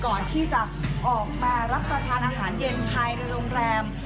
ก่อนที่จะออกมารับประทานอาหารเย็นภายในโรงแรม